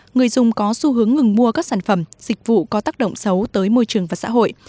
người dùng có xu hướng ngừng mua các sản phẩm dịch vụ có tác động xấu tới môi trường và xã hội